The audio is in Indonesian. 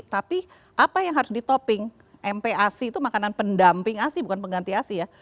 tapi apa yang harus di topping mpasi itu makanan pendamping asi bukan pengganti asi ya